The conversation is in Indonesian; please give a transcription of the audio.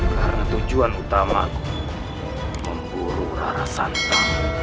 karena tujuan utamaku memburu rara santa